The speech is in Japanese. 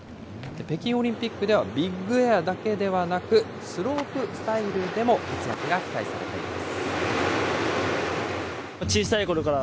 北京オリンピックでは、ビッグエアだけではなく、スロープスタイルでも活躍が期待されています。